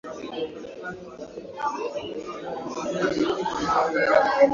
na viongozi wao ndio kwanza ukiwajia wakati wa mbele hapo